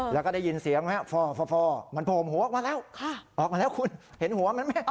แล้วก็ได้ยินเสียงไหมครับฟ่อมันโผล่หัวออกมาแล้วออกมาแล้วคุณเห็นหัวมันไหม